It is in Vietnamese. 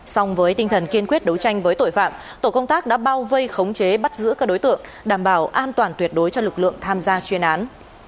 xong với tinh thần kiên quyết đấu tranh với tội phạm tổ công tác đã bao vây khống chế bắt giữ các đối tượng đảm bảo an toàn tuyệt đối cho lực lượng tham gia chuyên án